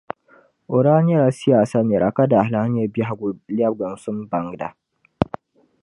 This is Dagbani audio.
O daa nyɛla siyaasa nira ka daa lahi nyε biɛhigu lɛbigimsim baŋda.